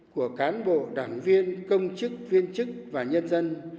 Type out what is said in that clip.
của cán bộ đảng viên công chức viên chức và nhân dân